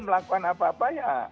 melakukan apa apa ya